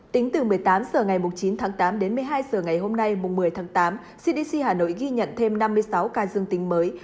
tính từ một mươi tám h ngày chín tháng tám đến một mươi hai h ngày hôm nay một mươi tháng tám cdc hà nội ghi nhận thêm năm mươi sáu ca dương tính mới